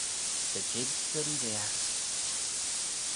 Dy jig dty reeriaght.